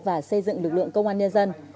và xây dựng lực lượng công an nhân dân